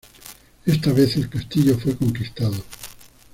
Esta vez, el castillo fue conquistado.